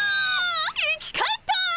生き返った！